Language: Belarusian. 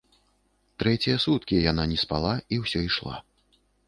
Трэція суткі яна не спала і ўсё ішла.